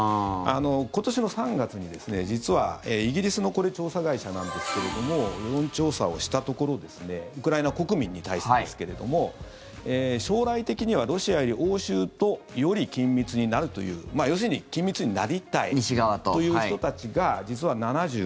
今年の３月に、実はイギリスの調査会社なんですけれども世論調査をしたところウクライナ国民に対してですけれども将来的にはロシアより欧州とより緊密になるという要するに、緊密になりたいという人たちが実は７８％。